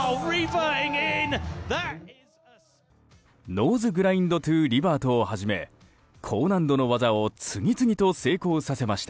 ノーズグラインド・トゥ・リバートをはじめ高難度の技を次々と成功させました。